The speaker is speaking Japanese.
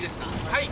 はい。